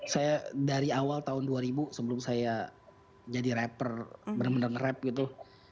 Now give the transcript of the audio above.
saya dari awal tahun dua ribu sebelum saya jadi rapper bener bener nge rap gitu